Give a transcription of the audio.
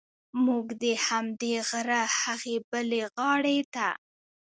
موږ د همدې غره هغې بلې غاړې ته.